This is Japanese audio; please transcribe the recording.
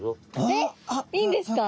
えっいいんですか？